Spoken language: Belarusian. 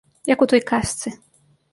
Як у той казцы.